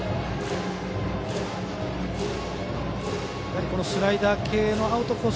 やはりスライダー系のアウトコース